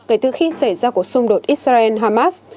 kể từ khi xảy ra cuộc xung đột israel hamas